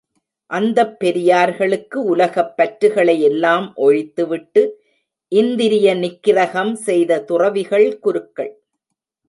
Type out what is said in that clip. அந்தப் பெரியார்களுக்கு உலகப் பற்றுகளை எல்லாம் ஒழித்துவிட்டு, இந்திரிய நிக்கிரகம் செய்த துறவிகள் குருக்கள்.